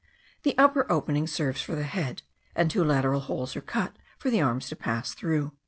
The upper opening serves for the head; and two lateral holes are cut for the arms to pass through.